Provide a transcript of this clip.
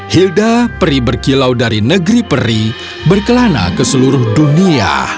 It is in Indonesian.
hilda peri berkilau dari negeri peri berkelana ke seluruh dunia